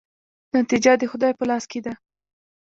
نتیجه د خدای په لاس کې ده؟